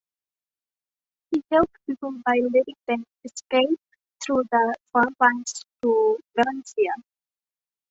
He helped people by letting them escape through the frontlines to Valencia.